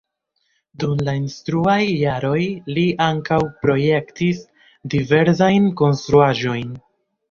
Dum la instruaj jaroj li ankaŭ projektis diversajn konstruaĵojn.